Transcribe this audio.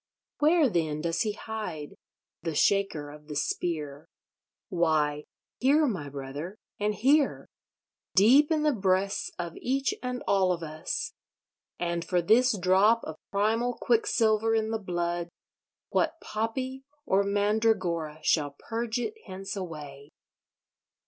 Where, then, does he hide, the Shaker of the Spear? Why, here, my brother, and here; deep in the breasts of each and all of us! And for this drop of primal quicksilver in the blood what poppy or mandragora shall purge it hence away?